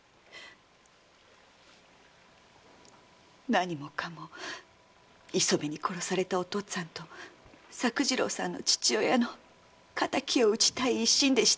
何もかも磯部に殺されたお父っつぁんと作次郎さんの父親の敵を討ちたい一心でしたことです。